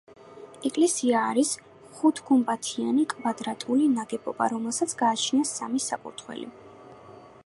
ეკლესია არის ხუთგუმბათიანი კვადრატული ნაგებობა, რომელსაც გააჩნია სამი საკურთხეველი.